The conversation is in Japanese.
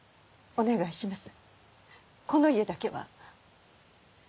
お願いします！